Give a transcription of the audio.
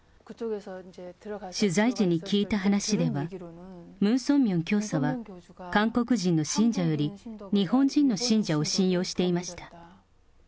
取材時に聞いた話では、ムン・ソンミョン教祖は、韓国人の信者より、日本人の信者を信用していました。